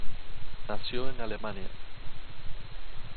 Nació en Alemania.